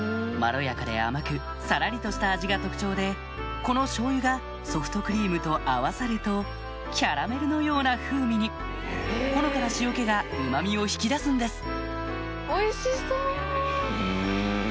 まろやかで甘くサラリとした味が特徴でこのしょうゆがソフトクリームと合わさるとキャラメルのような風味にほのかな塩気がうま味を引き出すんですおいしそう！